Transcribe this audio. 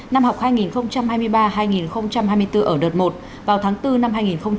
năm học hai nghìn hai mươi ba hai nghìn hai mươi bốn ở đợt một vào tháng bốn năm hai nghìn hai mươi